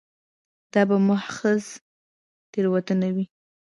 دا به محض تېروتنه وي.